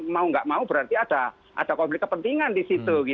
mau nggak mau berarti ada konflik kepentingan di situ